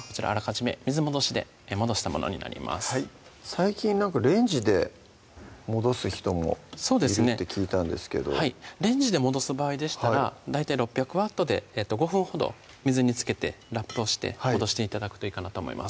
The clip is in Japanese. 最近レンジで戻す人もいるって聞いたんですけどレンジで戻す場合でしたら大体６００Ｗで５分ほど水につけてラップをして戻して頂くといいかなと思います